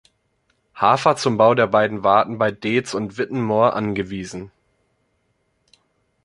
Hafer zum Bau der beiden Warten bei Deetz und Wittenmoor angewiesen.